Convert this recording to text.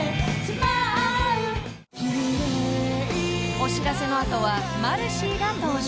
［お知らせの後はマルシィが登場］